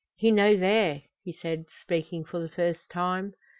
"He no there!" he said, speaking for the first time.